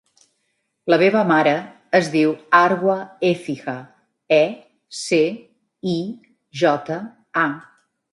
La meva mare es diu Arwa Ecija: e, ce, i, jota, a.